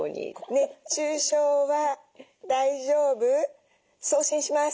熱中症は大丈夫？送信します。